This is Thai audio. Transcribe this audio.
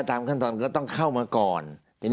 ตามขั้นตอนก็ต้องเข้ามาก่อน